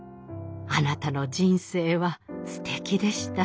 あなたの人生はすてきでした。